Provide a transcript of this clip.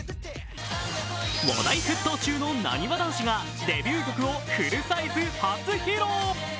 話題沸騰中のなにわ男子がデビュー曲をフルサイズ初披露。